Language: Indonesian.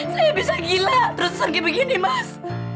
saya bisa gila terus pergi begini mas